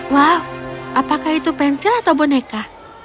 wow apakah itu pensil atau boneka